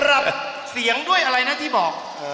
รับเสียงด้วยอะไรนะที่บอก